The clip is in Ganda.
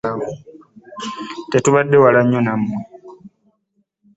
Tetubadde wala nnyo nammwe.